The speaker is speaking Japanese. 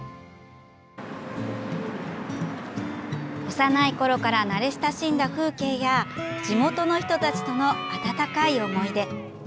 幼いころから慣れ親しんだ風景や地元の人たちとの温かい思い出。